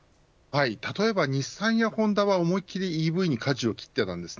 例えば、日産やホンダは思い切りＥＶにかじを切っていたんです。